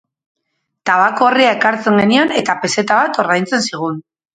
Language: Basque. Tabako orria ekartzen genion eta pezeta bat ordaintzen zigun.